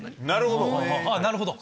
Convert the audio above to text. なるほど。